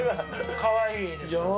かわいいですよね。